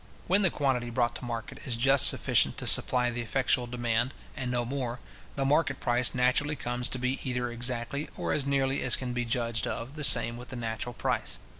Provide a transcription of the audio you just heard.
When the quantity brought to market is just sufficient to supply the effectual demand, and no more, the market price naturally comes to be either exactly, or as nearly as can be judged of, the same with the natural price.